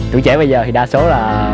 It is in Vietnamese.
tuổi trẻ bây giờ thì đa số là